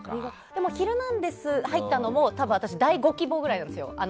でも、「ヒルナンデス！」に入ったのも多分、私第５希望ぐらいなんですよ。